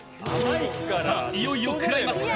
さあ、いよいよクライマックス！